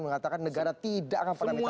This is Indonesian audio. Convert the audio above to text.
mengatakan negara tidak akan pernah minta